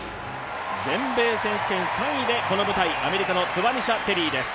全米選手権３位でこの舞台、アメリカのトワニシャ・テリーです